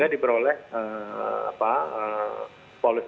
jadi kalau kita hitung hitung kita hitung hitung